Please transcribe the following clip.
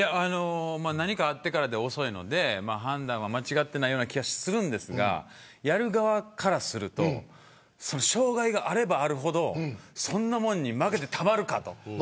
何かあってからでは遅いので判断は間違ってないような気がするんですがやる側からすると障害があればあるほどそんなものに負けてたまるかと。